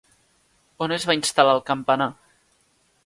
On es va instal·lar el campanar?